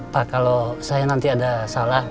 pak kalau saya nanti ada salah